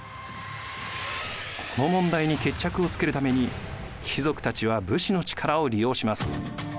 この問題に決着をつけるために貴族たちは武士の力を利用します。